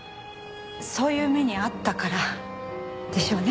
そういう目に遭ったからでしょうね。